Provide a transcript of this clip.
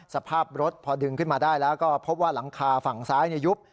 สภาพรถพอดึงขึ้นมาได้แล้วก็พบว่าหลังคาฝั่งซ้ายยุบ